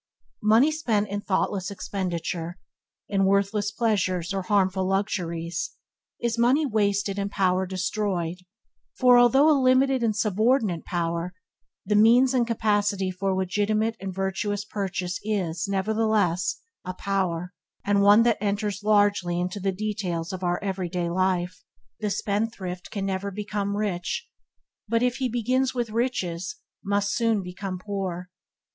Money spent in thoughtless expenditure – in worthless pleasures or harmful luxuries – is money wasted and power destroyed; for, although a limited and subordinate power, the means and capacity for legitimate and virtuous purchase is, nevertheless, a power, and one that enters largely into the details of our everyday life. The spendthrift can never become rich, but if he begin with riches, must soon become poor.